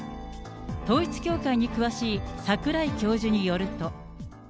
統一教会に詳しい櫻井教授によると。